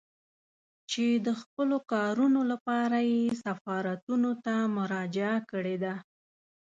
چې د خپلو کارونو لپاره يې سفارتونو ته مراجعه کړې ده.